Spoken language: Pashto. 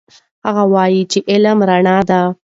هغه وایي چې علم رڼا ده.